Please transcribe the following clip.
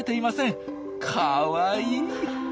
かわいい！